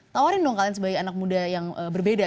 tawarin dong kalian sebagai anak muda yang berbeda